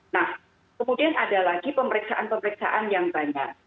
nah kemudian ada lagi pemeriksaan pemeriksaan yang banyak